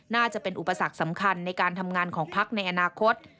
น่าจะเป็นอุปสรรคสำคัญในการทำงานของพักในอนาคต